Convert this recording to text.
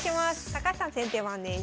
高橋さん先手番です。